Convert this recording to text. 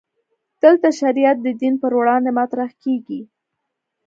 دلته شریعت د دین پر وړاندې مطرح کېږي.